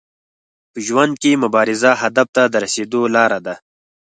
په ژوند کي مبارزه هدف ته د رسیدو لار ده.